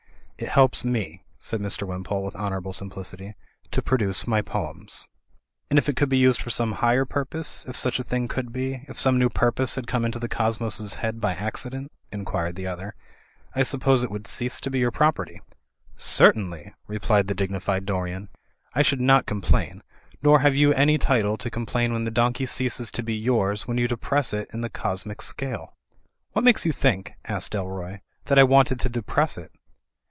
"It helps me," said Mr. Wimpole, with honourable [ simplicity, "to produce my poems." * "And if it could be used for some higher purpose (if such a thing could be), if some new purpose had come into the cosmos's head by accident," inquired the other, "I suppose it would cease to be your property, '1 1 ' CREATURE THAT MAN FORGETS 175 ''Certainly/' replied the dignified Dorian. "I should not complain. Nor have you any title to complain •when the donkey ceases to be yours when you depress it in the cosmic scale." "What makes you think," asked Dalroy, "that I wanted to depress it?"